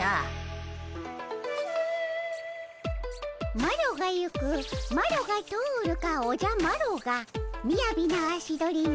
「マロがゆくマロが通るかおじゃマロがみやびな足取りマロがゆく」。